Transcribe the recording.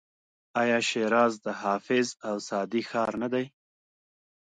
آیا شیراز د حافظ او سعدي ښار نه دی؟